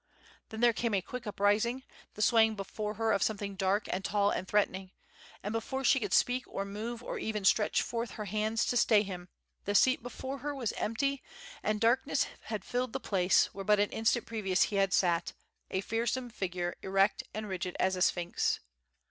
Then there came a quick uprising, the swaying before her of something dark and tall and threatening, and before she could speak or move, or even stretch forth her hands to stay him, the seat before her was empty and darkness had filled the place where but an instant previous he had sat, a fearsome figure, erect and rigid as a sphinx.